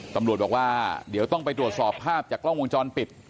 ตำรวจบอกว่าเดี๋ยวต้องไปตรวจสอบภาพจากกล้องวงจรปิด